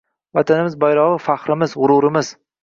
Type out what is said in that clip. Vatanimiz bayrog‘i – faxrimiz, g‘ururimiz